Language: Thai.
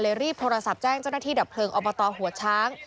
รีบโทรศัพท์แจ้งเจ้าหน้าที่ดับเพลิงอบตหัวช้าง